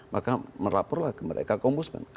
maka melaporlah ke mereka ke ombudsman